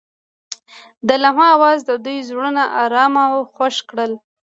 د لمحه اواز د دوی زړونه ارامه او خوښ کړل.